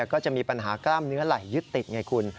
ก็จะมีปัญหากล้ามเนื้อไหลยึดติดไงคุณ